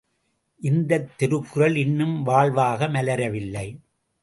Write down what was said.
இந்தத் திருக்குறள் இன்னும் வாழ்வாக மலரவில்லை!